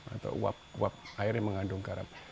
atau uap uap air yang mengandung garam